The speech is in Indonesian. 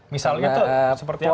misalnya itu seperti apa pak